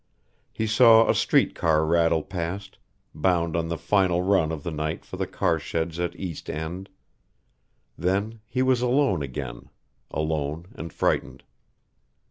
He saw a street car rattle past, bound on the final run of the night for the car sheds at East End. Then he was alone again alone and frightened.